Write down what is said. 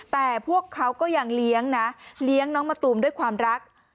แต่พวกเขาก็ยังเลี้ยงนะเลี้ยงน้องมะตูมด้วยความรัก